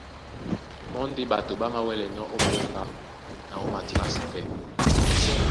Mɔ́ ndé ɓato ɓá māwɛ́lɛnɔ́ ó m̀ɓóŋga na ó matrǎsi. Pɛ́.